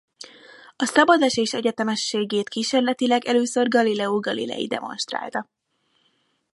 A szabadesés egyetemességét kísérletileg először Galileo Galilei demonstrálta.